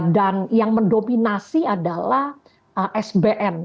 dan yang mendominasi adalah sbn